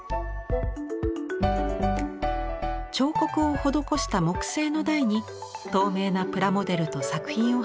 彫刻を施した木製の台に透明なプラモデルと作品を配置しました。